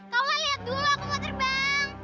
tolonglah lihat dulu aku mau terbang